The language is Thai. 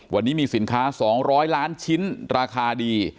วันนี้มีสินค้า๒๐๐ล้านชิ้นราคาดี